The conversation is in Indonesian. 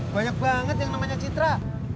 banyak banget yang namanya citra